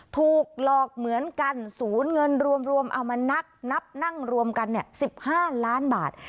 ถูกหลอกเหมือนกันศูนย์เงินรวมเอามานับนับนั่งรวมกัน๑๕ล้านบาท